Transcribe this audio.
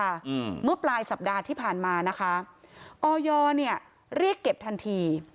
อืมเมื่อปลายสัปดาห์ที่ผ่านมานะคะออยเนี้ยเรียกเก็บทันที